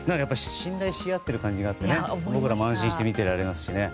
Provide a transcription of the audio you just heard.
信頼し合っている感じがあって僕らも安心して見ていられますしね。